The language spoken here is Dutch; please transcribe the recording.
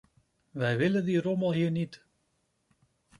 Wij willen die rommel hier niet!